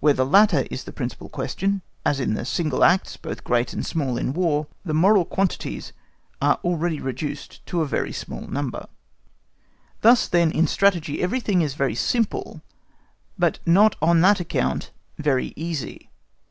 Where the latter is the principal question, as in the single acts both great and small in War, the moral quantities are already reduced to a very small number. Thus, then, in Strategy everything is very simple, but not on that account very easy.